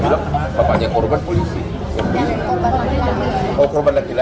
dengan pak rudi ya dengan siapa ini